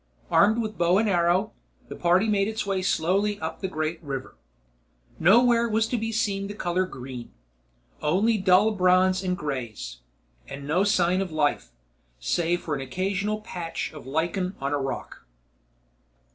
Armed with bow and arrow, the party made its way slowly up the great river. Nowhere was to be seen the color green, only dull browns and greys. And no sign of life, save for an occasional patch of lichen on a rock.